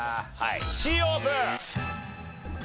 Ｃオープン！